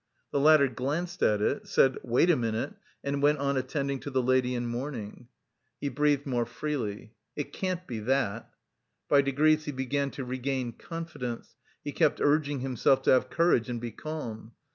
The latter glanced at it, said: "Wait a minute," and went on attending to the lady in mourning. He breathed more freely. "It can't be that!" By degrees he began to regain confidence, he kept urging himself to have courage and be calm.